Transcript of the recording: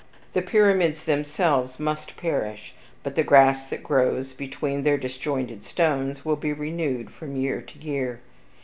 The pyramids themselves must perish, but the grass that grows between their disjointed stones will be renewed from year to year.